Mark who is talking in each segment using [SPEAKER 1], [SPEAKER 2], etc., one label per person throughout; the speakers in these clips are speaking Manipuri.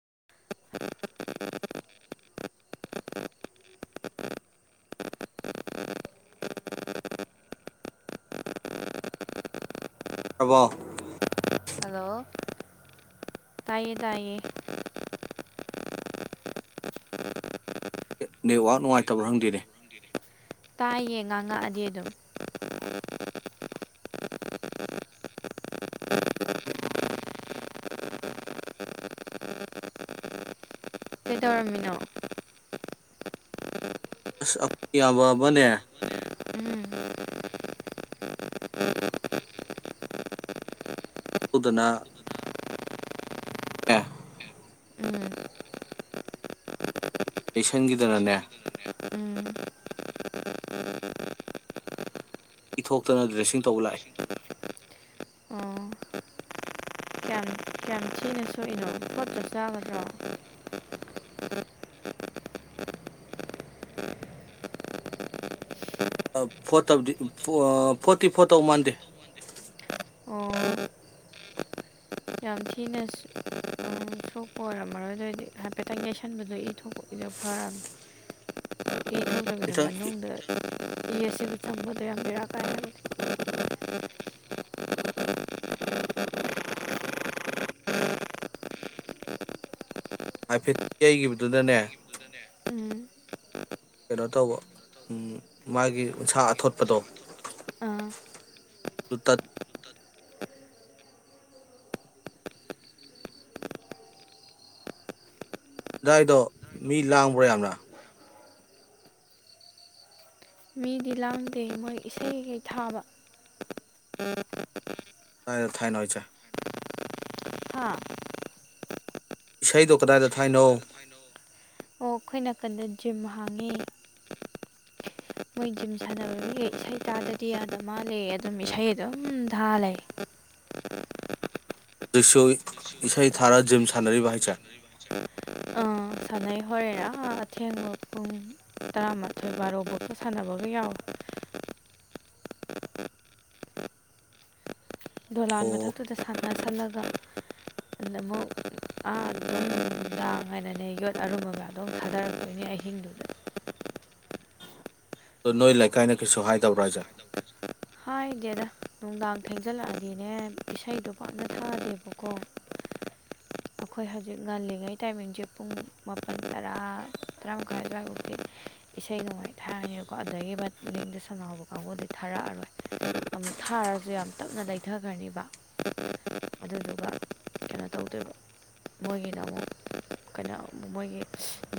[SPEAKER 1] [unintelligible] ꯄꯔꯕꯣ
[SPEAKER 2] ꯍꯜꯂꯣ ꯇꯥꯏꯌꯦ ꯇꯥꯏꯌꯦ
[SPEAKER 1] ꯅꯦꯠꯋꯥꯛ ꯅꯨꯡꯉꯥꯏꯇꯕ꯭ꯔꯥ ꯈꯪꯗꯦꯅꯦ
[SPEAKER 2] ꯇꯥꯏꯌꯦ ꯉꯥꯡꯉꯛꯑꯗꯤ ꯑꯗꯨꯝ ꯀꯦꯗꯧꯔꯃꯤꯟꯅ
[SPEAKER 1] ꯕ ꯑꯕꯅꯦ
[SPEAKER 2] ꯎꯝ
[SPEAKER 1] ꯑꯗꯨꯗꯨꯅ
[SPEAKER 2] ꯎꯝ
[SPEAKER 1] ꯑꯩꯁꯟꯒꯤꯗꯅꯅꯦ
[SPEAKER 2] ꯎꯝ
[SPEAKER 1] ꯏꯊꯣꯛꯇꯅ ꯗ꯭ꯔꯦꯁꯤꯡ ꯇꯧꯕ ꯂꯥꯛꯏ
[SPEAKER 2] ꯑꯣ ꯀꯌꯥꯝ ꯀꯌꯥꯝ ꯊꯤꯅ ꯁꯣꯛꯏꯅꯣ ꯐꯣꯠꯇ꯭ꯔꯁꯨ ꯌꯥꯒꯗ꯭ꯔꯣ
[SPEAKER 1] ꯐꯣꯔ ꯇꯕꯨꯗꯤ ꯐꯣꯔꯇꯤ ꯐꯣꯔ ꯇꯧ ꯃꯥꯟꯗꯦ
[SPEAKER 2] ꯑꯣ ꯌꯥꯝ ꯊꯤꯅ ꯁꯣꯛꯄ ꯑꯣꯏꯔꯝꯃꯔꯣꯏ ꯑꯗꯨꯔꯗꯤ ꯍꯥꯏꯐꯦꯠꯇꯪ ꯌꯩꯁꯟꯕꯗꯣ ꯏ ꯊꯣꯛꯄꯒꯤꯗꯣ ꯐꯔꯅꯤ ꯏ ꯊꯣꯛꯇꯕꯤꯗ
[SPEAKER 1] ꯈꯤꯇꯪ
[SPEAKER 2] ꯃꯅꯨꯡꯗ ꯏ ꯑꯁꯤꯕꯨ ꯆꯪꯕꯗꯣ ꯌꯥꯝ ꯕꯦꯔꯥ ꯀꯥꯏ ꯍꯥꯏꯕꯅꯤ
[SPEAKER 1] ꯍꯥꯏꯐꯦꯠ ꯌꯩꯒꯤꯈꯤꯕꯗꯨꯅꯅꯦ
[SPEAKER 2] ꯎꯝ
[SPEAKER 1] ꯀꯩꯅꯣ ꯇꯧꯕ ꯃꯥꯒꯤ ꯎꯟꯁꯥ ꯑꯊꯣꯠꯄꯗꯣ
[SPEAKER 2] ꯑꯥ
[SPEAKER 1] ꯃꯨꯊꯠ ꯗꯥꯥꯏꯗꯣ ꯃꯤ ꯂꯥꯡꯕ꯭ꯔꯥ ꯌꯥꯝ꯭ꯔꯥ
[SPEAKER 2] ꯃꯤꯗꯤ ꯂꯥꯡꯗꯦ ꯃꯣꯏ ꯏꯁꯩꯈꯩ ꯊꯥꯕ
[SPEAKER 1] ꯇꯥꯏ ꯊꯥꯏꯅꯣꯣꯏ ꯆ
[SPEAKER 2] ꯍꯥꯥ
[SPEAKER 1] ꯏꯁꯩꯗꯣ ꯀꯗꯥꯏꯗ ꯊꯥꯏꯅꯣ
[SPEAKER 2] ꯑꯣ ꯑꯩꯈꯣꯏ ꯅꯥꯀꯟꯗ ꯖꯤꯝ ꯍꯥꯡꯉꯦ ꯃꯣꯏ ꯖꯤꯝ ꯁꯥꯟꯅꯕ ꯃꯤꯒ ꯏꯁꯩ ꯇꯥꯗꯗꯤ ꯌꯥꯗ ꯃꯥꯂꯦ ꯑꯗꯨꯝ ꯏꯁꯩ ꯑꯗꯨꯝ ꯊꯥꯂꯦ
[SPEAKER 1] ꯔꯤꯁꯨ ꯏꯁꯩ ꯊꯥꯔ ꯖꯤꯝ ꯁꯥꯟꯅꯔꯤꯕ ꯍꯥꯏꯁꯦ
[SPEAKER 2] ꯑꯥ ꯁꯥꯟꯅꯩ ꯍꯣꯔꯦꯟꯅ ꯑꯊꯦꯡꯕ ꯄꯨꯡ ꯇꯔꯥꯃꯥꯊꯣꯏ ꯕꯥꯔꯣꯕꯧꯀ ꯁꯥꯟꯅꯕꯒ ꯌꯥꯎꯋꯦ ꯗꯣꯂꯥꯟ
[SPEAKER 1] ꯑꯣ
[SPEAKER 2] ꯃꯊꯛꯇꯨꯗ ꯁꯥꯟꯅꯁꯜꯂꯒ ꯑꯃꯨꯛ ꯑꯥ ꯅꯨꯡꯗꯥꯡ ꯍꯥꯏꯅꯅꯦ ꯌꯣꯠ ꯑꯔꯨꯝꯕꯒ ꯑꯗꯨꯝ ꯊꯥꯗꯔꯛꯇꯣꯏꯅꯦ ꯑꯍꯤꯡꯗꯨꯗ
[SPEAKER 1] ꯑ ꯅꯣꯏ ꯂꯩꯀꯥꯏꯅ ꯀꯩꯁꯨ ꯍꯥꯏꯗꯕꯔꯥꯖꯦ
[SPEAKER 2] ꯍꯥꯏꯗꯤꯦꯗ ꯅꯨꯡꯗꯥꯡ ꯊꯦꯡꯖꯜꯂꯛꯑꯗꯤꯅꯦ ꯏꯁꯩꯗꯣ ꯄꯥꯞꯅ ꯊꯥꯗꯦꯕꯀꯣ ꯑꯩꯈꯣꯏ ꯍꯧꯖꯤꯛ ꯉꯜꯂꯤꯉꯩ ꯇꯥꯏꯃꯤꯡꯁꯦ ꯄꯨꯡ ꯃꯥꯄꯜ ꯇꯔꯥ ꯇꯔꯥ ꯃꯈꯥꯏ ꯑꯗꯨ꯭ꯋꯥꯏꯐꯥꯎꯗꯤ ꯏꯁꯩ ꯅꯣꯡꯃꯥꯏ ꯊꯥꯔꯅꯤꯕꯀꯣ ꯑꯗꯨꯗꯒꯤꯠ ꯅꯤꯡꯗ ꯁꯅꯥꯍꯕ ꯀꯥꯡꯕꯨꯗꯤ ꯊꯥꯔꯛꯑꯔꯣꯏ ꯑꯃꯨꯛ ꯊꯥꯔꯁꯨ ꯌꯥꯝ ꯇꯞꯅ ꯂꯩꯊꯈ꯭ꯔꯅꯤꯕ ꯑꯗꯨꯗꯨꯒ ꯀꯩꯅꯣ ꯇꯧꯗꯣꯏꯕ ꯃꯣꯏꯒꯤꯅ ꯑꯃꯨꯛ ꯀꯩꯅꯣ ꯃꯣꯏꯒꯤ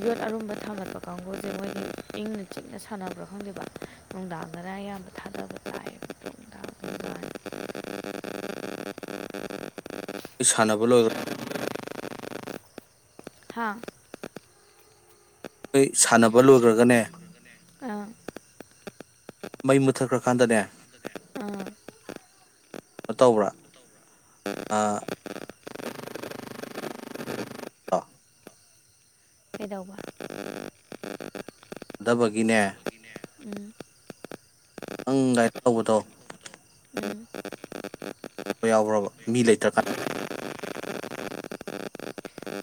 [SPEAKER 2] ꯌꯣꯠ ꯑꯔꯨꯝꯕ ꯊꯝꯒꯠꯄ ꯀꯥꯡꯕꯨꯁꯦ ꯃꯣꯏꯗꯤ ꯏꯪꯅ ꯆꯤꯛꯅ ꯁꯥꯟꯅꯕ꯭ꯔꯥ ꯈꯪꯗꯦꯕ ꯅꯨꯡꯗꯥꯡꯗꯅ ꯑꯌꯥꯝꯕ ꯊꯥꯗꯕꯗ ꯇꯥꯏꯕ ꯇꯣꯡꯗꯥꯒꯥꯟ
[SPEAKER 1] ꯁꯥꯟꯅꯕ ꯂꯣꯏꯔꯣꯏ
[SPEAKER 2] ꯍꯥꯥ
[SPEAKER 1] ꯑꯩꯩ ꯁꯥꯟꯅꯕ ꯂꯣꯏꯈ꯭ꯔꯒꯅꯦ
[SPEAKER 2] ꯑꯥ
[SPEAKER 1] ꯃꯩ ꯃꯨꯠꯊꯠꯈ꯭ꯔꯀꯥꯟꯗꯅꯦ
[SPEAKER 2] ꯑꯥ
[SPEAKER 1] ꯣ ꯇꯧꯕ꯭ꯔꯥ
[SPEAKER 2] ꯀꯩꯗ
[SPEAKER 1] ꯊ ꯗꯕꯒꯤꯅꯦ
[SPEAKER 2] ꯎꯝ
[SPEAKER 1] ꯅꯪ ꯒꯥꯏꯠ ꯇꯧꯕꯗꯣ
[SPEAKER 2] ꯎꯝ
[SPEAKER 1] ꯌꯥꯎꯕ꯭ꯔꯕ ꯃꯤ ꯂꯩꯇ꯭ꯔꯀꯥꯟ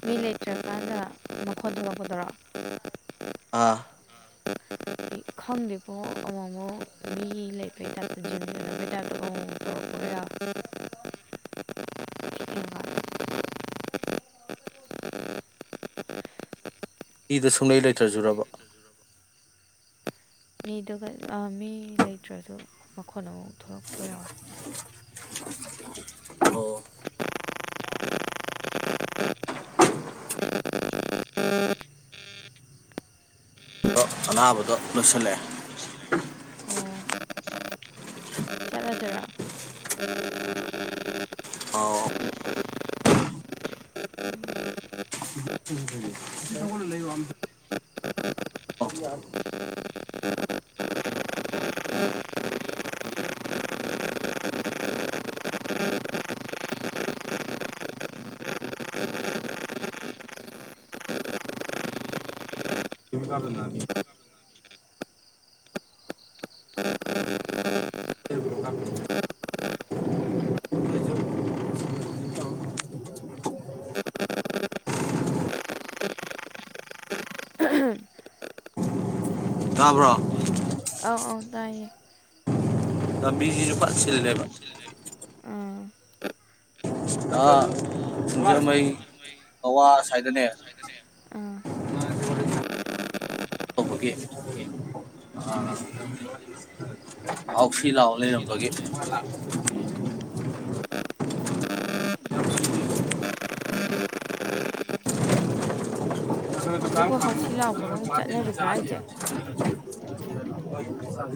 [SPEAKER 2] ꯃꯤ ꯂꯩꯇ꯭ꯔꯀꯥꯟꯗ ꯃꯈꯣꯟ ꯊꯣꯛꯂꯛꯄꯗꯔꯣ
[SPEAKER 1] ꯑꯥ
[SPEAKER 2] ꯑꯗꯤ ꯈꯪꯗꯦꯀꯣ ꯑꯃꯨꯛ ꯑꯃꯨꯛ ꯃꯤ ꯂꯩꯄꯩ ꯇꯥꯏꯞꯇ ꯖꯤꯝ ꯆꯠꯅꯕꯩ ꯇꯥꯏꯞꯇꯒ ꯑꯃꯨꯛ ꯑꯃꯨꯛ ꯇꯧꯔꯛꯄꯒꯩ ꯌꯥꯎꯔ ꯊꯦꯡꯉꯀꯥꯟꯗ
[SPEAKER 1] ꯏꯗ ꯁꯨꯡꯂꯩ ꯂꯩꯇ꯭ꯔꯖꯨꯔꯕ
[SPEAKER 2] ꯃꯤꯗꯨꯒ ꯃꯤ ꯂꯩꯇ꯭ꯔꯁꯨ ꯃꯈꯣꯟ ꯑꯃꯃꯥꯎꯛ ꯊꯣꯛꯂꯛꯄꯒ ꯌꯥꯎꯋꯦ
[SPEAKER 1] ꯑꯣ ꯑꯗꯣ ꯑꯅꯥꯕꯗꯣ ꯂꯣꯏꯁꯤꯜꯂꯛꯑꯦ
[SPEAKER 2] ꯑꯣ ꯆꯠꯂꯗꯔꯥ
[SPEAKER 1] ꯑꯣ
[SPEAKER 2] ꯎꯝ
[SPEAKER 1] ꯀ ꯀꯥꯗꯅ ꯇꯥꯕ꯭ꯔꯣ
[SPEAKER 2] ꯑꯥꯎ ꯑꯥꯎ ꯇꯌꯦ
[SPEAKER 1] ꯇꯕꯤꯖꯣꯄꯄꯥꯛ ꯁꯤꯜꯂꯦꯕ
[SPEAKER 2] ꯑꯥ
[SPEAKER 1] ꯁꯤꯡꯖꯃꯩ ꯀꯋꯥ ꯁ꯭ꯋꯥꯏꯗꯅꯦ
[SPEAKER 2] ꯑꯥ
[SPEAKER 1] ꯑꯥꯎꯁꯤ ꯂꯥꯎ ꯂꯩꯔꯝꯕꯒꯤ
[SPEAKER 2] ꯎꯝ
[SPEAKER 1] ꯗꯨꯀꯥꯟ
[SPEAKER 2] ꯍꯧꯖꯤꯛꯄꯨ ꯍꯥꯎꯁꯤ ꯂꯥꯎꯕꯒ ꯑꯃꯨꯛ
[SPEAKER 1] ꯐ ꯆꯦ
[SPEAKER 2] ꯆꯠꯅꯔꯤꯕ꯭ꯔꯥ ꯍꯥꯏꯁꯦ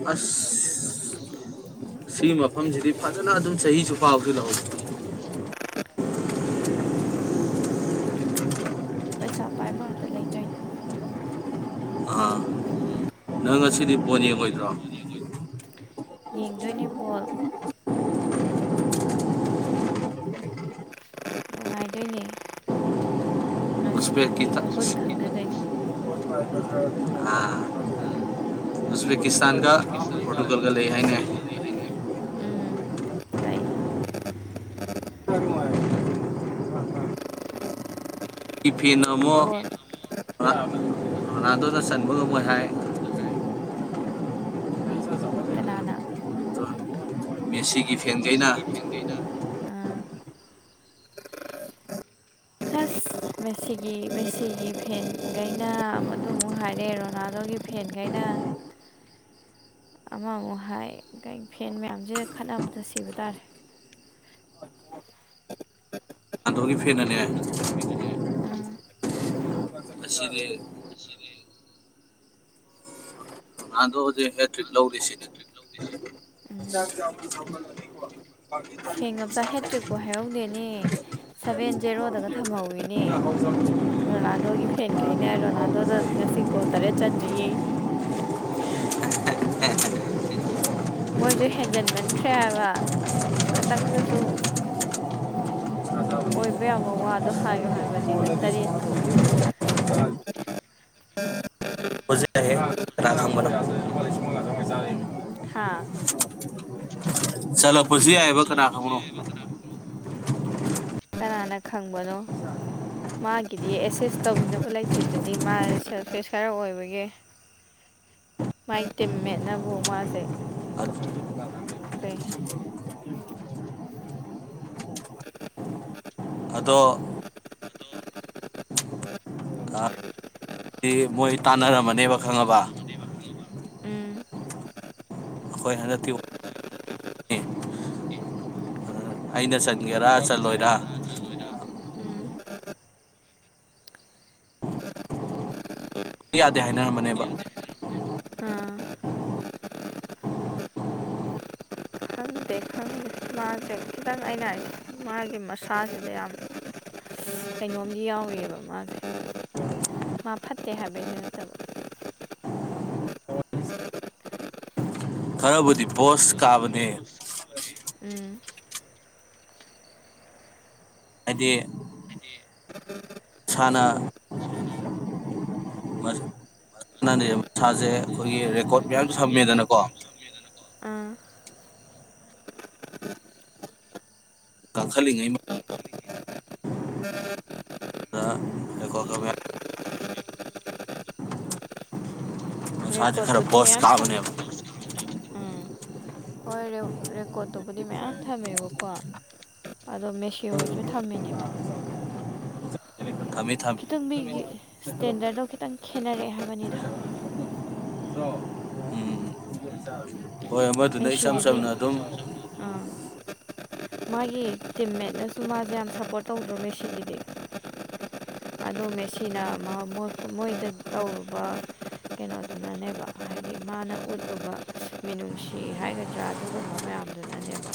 [SPEAKER 1] ꯑꯁ ꯁꯤ ꯃꯐꯝꯁꯤꯗꯤ ꯐꯖꯅ ꯑꯗꯨꯝ ꯆꯍꯤꯁꯨ ꯐꯥꯎꯕꯁꯨ ꯂꯧꯍꯋꯏ
[SPEAKER 2] ꯄꯩꯁꯥ ꯄꯥꯏꯕ ꯉꯇ ꯂꯩꯇꯣꯏ
[SPEAKER 1] ꯑꯥ ꯅꯪ ꯑꯁꯤꯗꯤ ꯄꯣ ꯌꯦꯡꯉꯣꯏꯗ꯭ꯔꯣ
[SPEAKER 2] ꯌꯦꯡꯗꯣꯏꯅꯦ ꯕꯣꯜ ꯅꯨꯡꯉꯥꯏꯗꯣꯏꯅꯦ ꯉꯁꯤ ꯃꯤ
[SPEAKER 1] ꯎꯁꯕꯦꯀꯤꯇ
[SPEAKER 2] ꯃꯒꯨꯟ ꯈꯪꯅꯒꯅꯤ
[SPEAKER 1] ꯎ ꯄꯦꯀꯤꯁꯥꯟ ꯀ ꯄ꯭ꯔꯣꯇꯣꯀꯣꯜꯒ ꯂꯩ ꯌꯥꯏꯉꯦ
[SPEAKER 2] ꯎꯝ ꯂꯩ
[SPEAKER 1] ꯐꯅꯃꯣ
[SPEAKER 2] ꯕꯣꯜ
[SPEAKER 1] ꯔꯅꯥꯗꯗ ꯆꯟꯕ ꯉꯝꯃꯣꯏ ꯍꯥꯏ
[SPEAKER 2] ꯀꯅꯥꯅ
[SPEAKER 1] ꯃꯦꯁꯤꯒꯤ ꯐꯦꯟꯈꯩꯅ
[SPEAKER 2] ꯑꯥ ꯑꯁ ꯃꯦꯁꯤꯒꯤ ꯃꯦꯁꯤꯒꯤ ꯐꯦꯟꯈꯩꯅ ꯑꯗꯨ ꯑꯃꯨꯛ ꯍꯥꯏꯔꯛꯑꯦ ꯔꯣꯅꯥꯜꯗꯣꯒꯤ ꯐꯦꯟꯈꯩꯅ ꯑꯃ ꯑꯃ ꯍꯥꯏ ꯐꯦꯟ ꯃꯌꯥꯝꯁꯤꯦ ꯈꯠꯅꯕꯗ ꯁꯤꯕ ꯇꯥꯔꯦ
[SPEAKER 1] ꯑꯗꯨꯒꯤ ꯐꯦꯟꯅꯅꯦ
[SPEAKER 2] ꯑꯥ
[SPEAKER 1] ꯑꯁꯤ ꯂꯩ ꯑꯗꯣ ꯍꯧꯖꯤꯛ ꯍꯦꯇ꯭ꯔꯤꯛ ꯂꯧꯔꯤꯁꯤꯗꯤ ꯊꯕꯅꯤ ꯋꯥ
[SPEAKER 2] ꯁꯦꯡ ꯑꯃꯆꯥ ꯍꯦꯇ꯭ꯔꯤꯛꯄꯨ ꯍꯥꯏꯍꯧꯗꯦꯅꯦ ꯁꯚꯦꯟ ꯖꯦꯔꯣꯗꯒ ꯊꯝꯍꯧꯋꯤꯅꯦ ꯔꯣꯅꯥꯜꯗꯣꯒꯤ ꯐꯦꯟꯈꯩꯅꯣ ꯑꯗꯨ ꯉꯁꯤꯒꯣꯜ ꯇꯔꯦꯠ ꯆꯅ ꯃꯣꯏꯁꯨ ꯍꯦꯟꯖꯟꯃꯟꯈ꯭ꯔꯦ ꯍꯥꯏꯕ ꯈꯤꯇꯪꯗꯁꯨ ꯑꯣꯏꯕ ꯌꯥꯕ ꯋꯥꯗꯣ ꯍꯥꯏꯌꯨ ꯍꯥꯏꯕꯅꯤꯗ ꯇꯔꯦꯠꯄꯨ
[SPEAKER 1] ꯄꯣꯠꯁꯦ ꯌꯥꯏꯍꯦ ꯀꯅꯥ ꯈꯪꯕꯅꯣ
[SPEAKER 2] ꯍꯥꯥ
[SPEAKER 1] ꯆꯂ ꯄꯨꯁꯤꯂꯤ ꯍꯥꯏꯕ ꯀꯅꯥ ꯈꯪꯕꯅꯣ
[SPEAKER 2] ꯌꯥꯏꯕ ꯀꯅꯥ ꯀꯅꯥꯅ ꯈꯪꯕꯅꯣ ꯃꯥꯒꯤꯗꯤ ꯑꯦꯁꯦꯁ ꯇꯧꯕꯤꯅꯕ ꯂꯩꯇ꯭ꯔꯤꯗꯗꯤ ꯃꯥ ꯁꯦꯜꯐꯦꯁ ꯈꯔ ꯑꯣꯏꯕꯒꯦ ꯃꯥꯒꯤ ꯇꯤꯝꯃꯦꯠꯅꯕꯨ ꯃꯥꯁꯦ ꯄꯦ
[SPEAKER 1] ꯑꯗꯣ ꯃꯣꯏ ꯇꯥꯟꯅꯔꯝꯃꯅꯦꯕ ꯈꯪꯉꯕ
[SPEAKER 2] ꯎꯝ
[SPEAKER 1] ꯑꯩꯈꯣꯏ ꯍꯟꯖꯇꯤ ꯑꯩꯅ ꯆ
[SPEAKER 2] ꯑꯩꯅ ꯆꯠꯒꯦꯔꯥ ꯆꯠꯂꯣꯏꯔ ꯎꯝ
[SPEAKER 1] ꯌꯥꯗꯦ ꯍꯥꯏꯅꯔꯝꯝꯕꯅꯤ ꯕ
[SPEAKER 2] ꯑ ꯈꯪꯗꯦ ꯈꯪꯗꯦ ꯃꯥꯁꯦ ꯈꯤꯇꯪ ꯑꯩꯅ ꯍꯥꯏꯁꯦ ꯃꯥꯒꯤ ꯃꯁꯥꯁꯤꯗ ꯌꯥꯝ ꯀꯩꯅꯣꯝꯗꯤ ꯌꯥꯎꯔꯤꯑꯕ ꯃꯥꯁꯦ ꯃꯥ ꯐꯠꯇꯦ ꯍꯥꯏꯕꯩꯗꯨ ꯅꯠꯇꯕ
[SPEAKER 1] ꯈꯔꯕꯨꯗꯤ ꯄꯣꯁ ꯀꯥꯕꯅꯦ
[SPEAKER 2] ꯎꯝ
[SPEAKER 1] ꯑꯗ ꯁꯅ ꯅꯦ ꯃꯁꯥꯁꯦ ꯑꯩꯈꯣꯏꯒꯤ ꯔꯦꯀꯣꯔꯠ ꯃꯌꯥꯝ ꯁꯝꯃꯦꯗꯅꯀꯣ
[SPEAKER 2] ꯑ
[SPEAKER 1] ꯀꯪꯈꯂꯤꯉꯩ ꯃ ꯑꯗꯨꯒꯀꯣ ꯀ ꯅꯨꯡꯁꯥꯁꯦ
[SPEAKER 2] ꯔꯦꯀꯣꯔ
[SPEAKER 1] ꯈꯔ
[SPEAKER 2] ꯄꯗꯤ
[SPEAKER 1] ꯕꯣꯁ
[SPEAKER 2] ꯃꯌꯥꯝ ꯊꯝꯃꯦ
[SPEAKER 1] ꯀꯥꯕꯅꯦꯕ
[SPEAKER 2] ꯎꯝ ꯍꯣꯏ ꯔꯦꯀꯣꯔꯠꯇꯨꯕꯨꯗꯤ ꯃꯌꯥꯝ ꯊꯝꯃꯦꯕꯀꯣ ꯑꯗꯣ ꯃꯦꯁꯤ ꯍꯣꯏꯁꯨ ꯊꯝꯃꯤꯅꯦꯕ
[SPEAKER 1] ꯊꯝꯃꯤ ꯊꯝꯃꯤ
[SPEAKER 2] ꯀꯈꯤꯇꯪ ꯃꯤꯒꯤ ꯏꯁꯇꯦꯟꯗꯔꯠꯗꯣ ꯈꯤꯇꯪ ꯈꯦꯠꯅꯔꯛꯑꯦ ꯍꯥꯏꯕꯅꯤꯗ
[SPEAKER 1] ꯎꯝ ꯍꯣꯏ ꯃꯗꯨꯅ ꯏꯆꯝ
[SPEAKER 2] ꯃꯦꯁꯤꯒꯤꯗꯤ
[SPEAKER 1] ꯁꯝꯅ ꯑꯗꯨꯝ
[SPEAKER 2] ꯑꯥ ꯃꯥꯒꯤ ꯇꯤꯝꯃꯦꯠꯅꯁꯨ ꯃꯥꯁꯦ ꯌꯥꯝ ꯁꯞꯄꯣꯔꯠ ꯇꯧꯗ꯭ꯔꯣ ꯃꯦꯁꯤꯒꯤꯗꯤ ꯑꯗꯣ ꯃꯦꯁꯤꯅ ꯃꯣꯏꯗ ꯇꯧꯔꯨꯕ ꯀꯩꯅꯣꯗꯨꯅꯅꯦꯕ ꯍꯥꯏꯗꯤ ꯃꯥꯅ ꯎꯠꯂꯨꯕ ꯃꯤꯅꯨꯡꯁꯤ ꯐꯤ ꯍꯥꯏꯒꯗ꯭ꯔꯥ ꯑꯗꯨꯒꯨꯝꯕ ꯃꯌꯥꯝꯗꯨꯅꯅꯦꯕ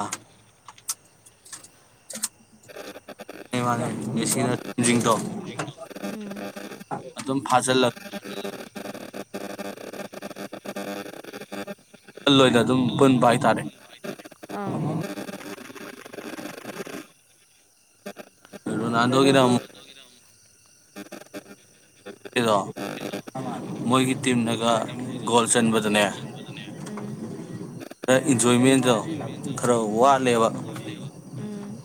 [SPEAKER 1] ꯃꯥꯅꯦ ꯏꯁꯤꯡꯅ ꯇꯦꯟꯖꯔꯤꯤꯡ ꯇꯣ
[SPEAKER 2] ꯎꯝ
[SPEAKER 1] ꯑꯗꯨꯝ ꯐꯥꯖꯤꯜꯂꯛ ꯑꯜ ꯑꯣꯏꯅ ꯑꯗꯨꯝ ꯄꯨꯟꯕ ꯍꯥꯏꯇꯥꯔꯦ
[SPEAKER 2] ꯑꯥ
[SPEAKER 1] ꯅꯥꯟ ꯍꯒꯗ ꯗꯣ
[SPEAKER 2] ꯎꯝ
[SPEAKER 1] ꯃꯣꯏꯒꯤ ꯇꯤꯝꯅꯒ ꯒꯣꯜ ꯆꯟꯕꯗꯅꯦ
[SPEAKER 2] ꯎꯝ
[SPEAKER 1] ꯈꯔ ꯏꯟꯖꯣꯏꯃꯦꯟꯗꯣ ꯈꯔ
[SPEAKER 2] ꯎꯝ
[SPEAKER 1] ꯋꯥꯠꯂꯦꯕ
[SPEAKER 2] ꯎꯝ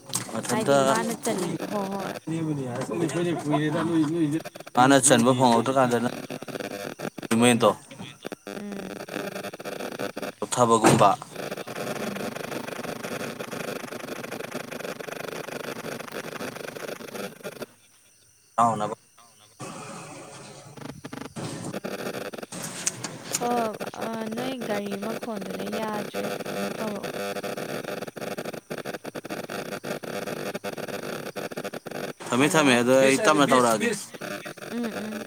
[SPEAKER 2] ꯍꯥꯏꯗꯤ ꯃꯥꯅ ꯆꯟꯅꯤꯡ ꯍꯣꯏ
[SPEAKER 1] ꯑꯊꯗꯕꯅꯤ
[SPEAKER 2] ꯍꯣꯏ
[SPEAKER 1] ꯍꯥꯏ ꯑ
[SPEAKER 2] ꯅ ꯆꯟꯕ ꯐꯪꯉꯛꯇ꯭ꯔ
[SPEAKER 1] ꯃꯦꯟꯗꯣ
[SPEAKER 2] ꯀꯥꯟꯗꯅꯃꯗꯣ ꯎꯝ
[SPEAKER 1] ꯀꯞꯊꯕꯒꯨꯝꯕ
[SPEAKER 2] ꯎꯝ
[SPEAKER 1] ꯑꯥꯎꯅꯕ
[SPEAKER 2] ꯍ ꯅꯣꯏ ꯒꯥꯔꯤ ꯃꯈꯣꯗꯨꯅ ꯌꯥꯗ꯭ꯔꯦ ꯑꯃꯨꯛ ꯇꯧꯔꯛꯑꯣ
[SPEAKER 1] ꯊꯝꯃꯦ ꯊꯝꯃꯦ
[SPEAKER 2] ꯍꯜꯂꯣ
[SPEAKER 1] ꯑꯗꯨꯗꯣ ꯑꯩ ꯇꯞꯅ ꯇꯧꯔꯛꯑꯒꯦ
[SPEAKER 2] ꯎꯝ ꯎꯝ ꯎꯝ